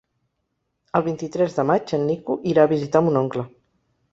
El vint-i-tres de maig en Nico irà a visitar mon oncle.